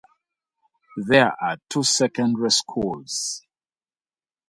There are two secondary schools.